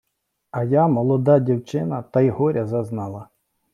А я, молода дівчина, та й горя зазнала